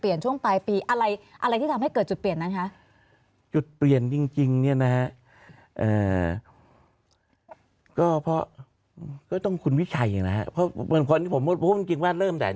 อย่างอ่ะมีการเลี้ยงเบี้ยแฟนบอลซึ่งมัน